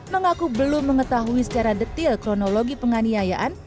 mengaku belum mengetahui secara detail kronologi penganiayaan